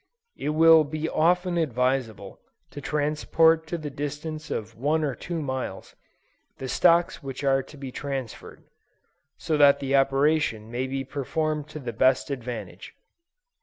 If will be often advisable, to transport to the distance of one or two miles, the stocks which are to be transferred; so that the operation may be performed to the best advantage.